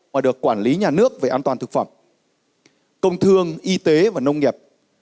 và được quản lý nhà nước về an toàn thực phẩm công thương y tế và nông nghiệp